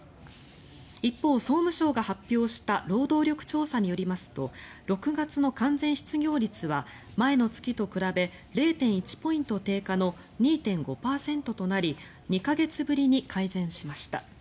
一方、総務省が発表した労働力調査によりますと６月の完全失業率は前の月と比べ０．１ポイント低下の２．５％となり２か月ぶりに改善しました。